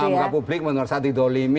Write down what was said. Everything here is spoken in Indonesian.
mengungkap ke publik menurut saya didolimi